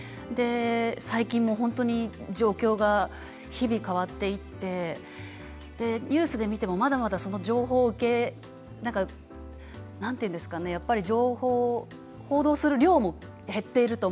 最近も本当に状況が日々変わっていってニュースで見てもまだまだその情報系なんて言うんですかね報道する量も減っているし。